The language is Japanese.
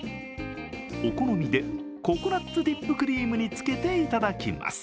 お好みで、ココナッツディップクリームにつけていただきます。